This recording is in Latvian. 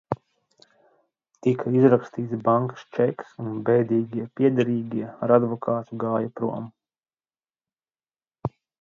"Tika izrakstīts bankas čeks un "bēdīgie" piederīgie ar advokātu gāja prom."